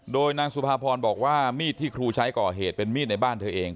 โดยนางสุภาพรบอกว่ามีดที่ครูใช้ก่อเหตุเป็นมีดในบ้านเธอเอง